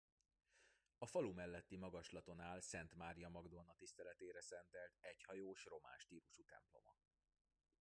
A falu melletti magaslaton áll Szent Mária Magdolna tiszteletére szentelt egyhajós román stílusú temploma.